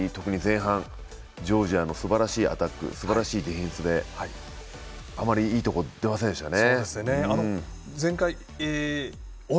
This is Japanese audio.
試合に入り、特に前半ジョージアのすばらしいアタックすばらしいディフェンスであまりいいところ出ませんでしたよね。